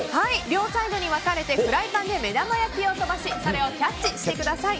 両サイドに分かれてフライパンで目玉焼きを飛ばしそれをキャッチしてください。